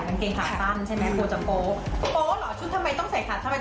กางเกงขาสั้นใช่ไหม